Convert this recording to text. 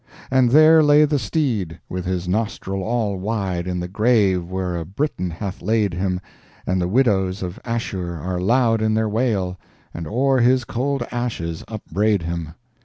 And there lay the steed, with his nostril all wide In the grave where a Briton hath laid him, And the widows of Ashur are loud in their wail, And o'er his cold ashes upbraid him.